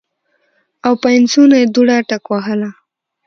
او پاينڅو نه دوړه ټکوهله